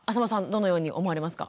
どのように思われますか？